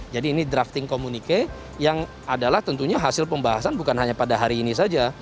jadi ini drafting komunike yang adalah tentunya hasil pembahasan bukan hanya pada hari ini saja